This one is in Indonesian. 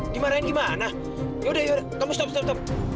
dimarahin gimana yaudah yaudah kamu stop stop stop